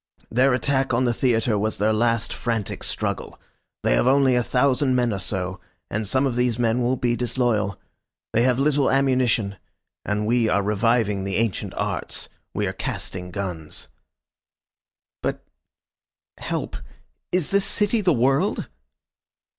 Their attack on the theatre was their last frantic struggle. They have only a thousand men or so, and some of these men will be disloyal. They have little ammunition. And we are reviving the ancient arts. We are casting guns." "But help. Is this city the world?"